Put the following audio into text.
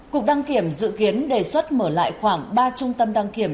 cục đăng kiểm dự kiến đề xuất mở lại khoảng ba trung tâm đăng kiểm